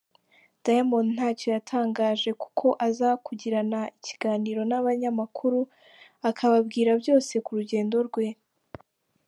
Diamond ntacyo yatangaje kuko aza kugirana ikiganiro n’abanyamakuru akababwira byose ku rugendo rwe.